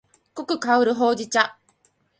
濃く香るほうじ茶